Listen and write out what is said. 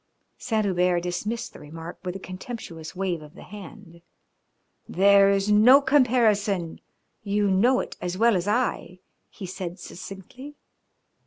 Saint Hubert dismissed the remark with a contemptuous wave of the hand. "There is to comparison. You know it as well as I," he said succinctly.